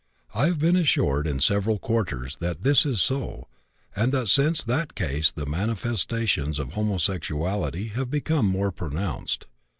I have been assured in several quarters that this is so and that since that case the manifestations of homosexuality have become more pronounced.